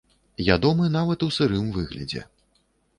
Ядомы нават у сырым выглядзе.